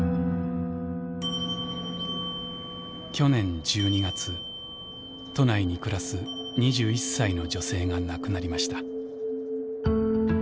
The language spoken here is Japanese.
去年１２月都内に暮らす２１歳の女性が亡くなりました。